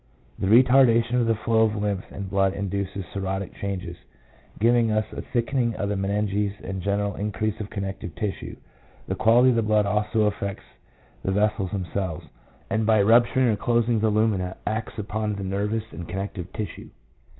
1 The retarda tion of the flow of lymph and blood induces cirrhotic changes, giving us a thickening of the meninges and a general increase of connective tissue. The quality of the blood also affects the vessels themselves, and by rupturing or closing the lumina acts upon the nervous and connective tissue.